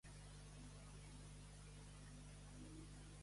Amb quines deesses gregues es va relacionar Ma?